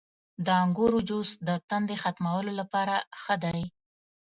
• د انګورو جوس د تندې ختمولو لپاره ښه دی.